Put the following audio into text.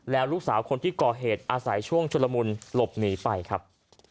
แล้วลูกสาวคนที่ก่อเหตุอาศัยช่วงชุลมุนหลบหนีไปครับ